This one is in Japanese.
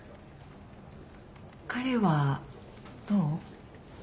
彼はどう？